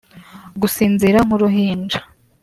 Gusinzira nk’uruhinja